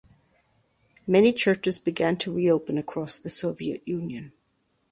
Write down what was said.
Many churches began to reopen across the Soviet Union.